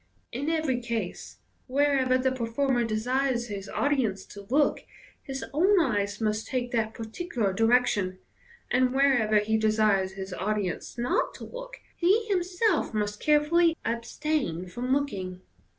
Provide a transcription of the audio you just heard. In every case, wherever the performer desires his audience to look, his own eyes must take that particular direction ; and wherever he desires his audience not to look, he himself must carefully abstain from looking.